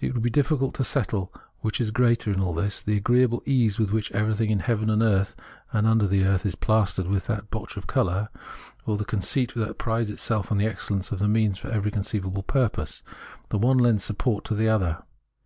It would be difficult to settle which is greater in all this, the agreeable ease with which everything in heaven and earth and under the earth is plastered with that botch of colour, or the conceit that prides itself on the excellence of its means for every conceivable purpose ; the one lends support to the other.